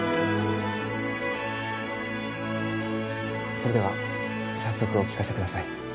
それでは早速お聞かせください。